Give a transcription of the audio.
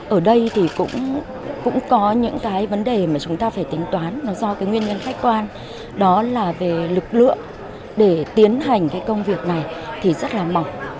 ở đây thì cũng có những vấn đề mà chúng ta phải tính toán do nguyên nhân khách quan đó là về lực lượng để tiến hành công việc này thì rất là mỏng